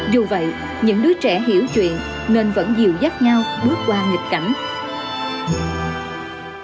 dù vậy những đứa trẻ hiểu chuyện nên vẫn dìu dắt nhau bước qua nghịch cảnh